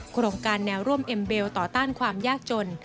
โครงการแนวร่วมเอ็มเบลต่อต้านความยากจน